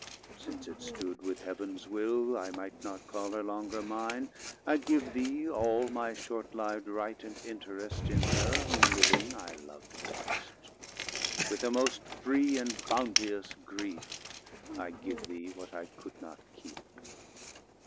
Since it stood With Heaven's will, I might not call Her longer mine, I give thee all My short liv'd right and interest In her, whom living I lov'd best: With a most free and bounteous grief, I give thee, what I could not keep.